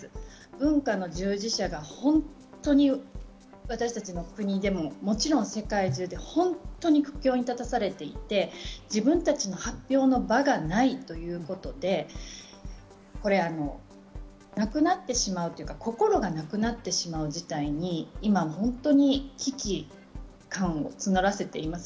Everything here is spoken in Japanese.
文化従事者が私たちの国でももちろん世界中で、本当に不況に立たされていて、自分たちの発表の場がないということで、なくなってしまうというか、心がなくなってしまう事態に今、危機感を募らせています。